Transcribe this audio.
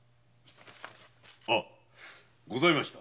ああございました。